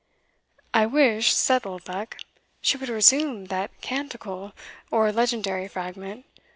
"I wish," said Oldbuck, "she would resume that canticle, or legendary fragment.